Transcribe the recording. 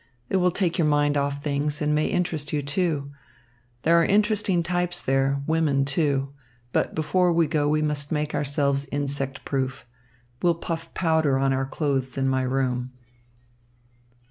It will take your mind off things and may interest you. There are interesting types there, women, too. But before we go, we must make ourselves insect proof. We'll puff powder on our clothes in my room."